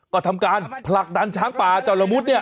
ก็ทำการผลักดันช้างป่าเจ้าละมุดเนี่ย